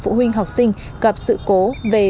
phụ huynh học sinh gặp sự cố về